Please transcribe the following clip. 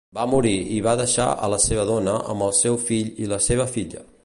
Va morir i va deixar a la seva dona amb el seu fill i la seva filla.